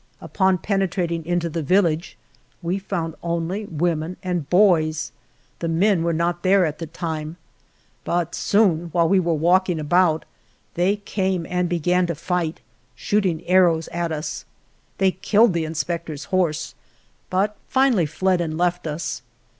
Upon penetrating into the village we found only women and boys. The men were not there at the time, but soon, while we were walking about, they came and began to fight, shooting arrows at us. They killed the inspector's horse, but finally fled and left us.